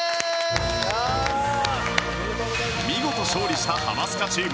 見事勝利したハマスカチーム